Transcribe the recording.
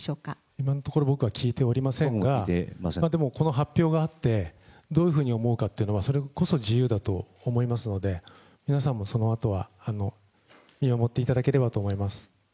今のところ僕は聞いておりませんが、でもこの発表があって、どういうふうに思うかというのは、それこそ自由だと思いますので、皆さんもそのあとは、見守っていただければと思います。